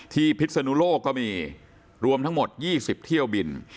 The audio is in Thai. พิศนุโลกก็มีรวมทั้งหมด๒๐เที่ยวบิน